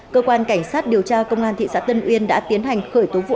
cơ quan cảnh sát điều tra công an thị xã tân uyên đã tiến hành khởi tố vụ án